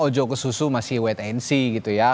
ojo ke susu masih wait and see gitu ya